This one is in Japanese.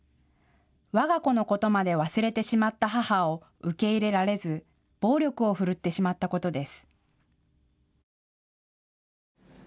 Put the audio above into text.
わが子のことまで忘れてしまった母を受け入れられず、暴力を振るってしまったことです。